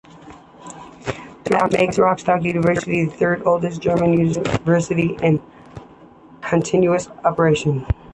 That makes Rostock University the third oldest German university in continuous operation.